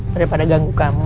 daripada ganggu kamu